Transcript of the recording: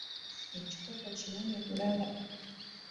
Ekikopo kinene bulala.